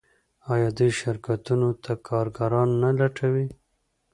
آیا دوی شرکتونو ته کارګران نه لټوي؟